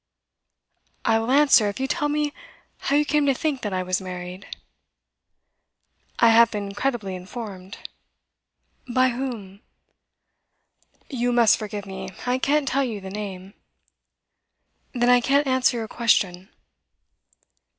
'I will answer if you tell me how you came to think that I was married.' 'I have been credibly informed.' 'By whom?' 'You must forgive me. I can't tell you the name.' 'Then I can't answer your question.